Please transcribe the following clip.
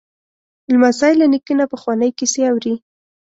لمسی له نیکه نه پخوانۍ کیسې اوري.